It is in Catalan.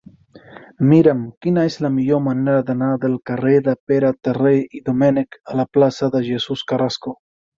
Mira'm quina és la millor manera d'anar del carrer de Pere Terré i Domènech a la plaça de Jesús Carrasco.